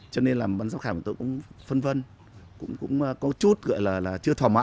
cho nên là bán giám khảo của tôi cũng phân vân cũng có chút gọi là chưa thỏa mãn